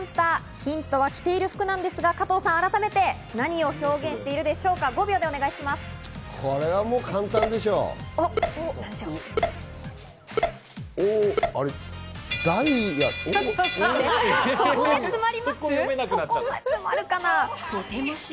ヒントは着ている服なんですが、加藤さん何を表現しているでしょ簡単でしょ。